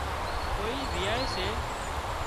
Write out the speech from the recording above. ڪوئي ويوائي سي